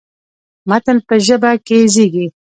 متن په ژبه کې زېږي.